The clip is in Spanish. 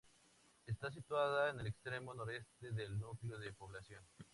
Está situada en el extremo noreste del núcleo de población.